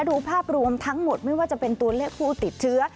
ดูภาพรวมทั้งหมดไม่ว่าจะเป็นตัวเลขผู้ติดเชื้อ